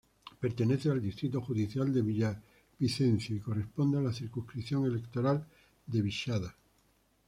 Pertenece al distrito judicial de Villavicencio y corresponde a la circunscripción electoral de Vichada.